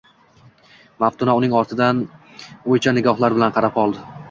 Maftuna uning ortidan o`ychan nigohlari bilan qarab qoldi